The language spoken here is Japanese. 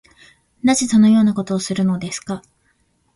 なぜそのようなことをするのですか